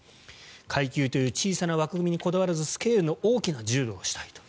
階級という小さな枠組みにこだわらずスケールの大きな柔道をしたいと。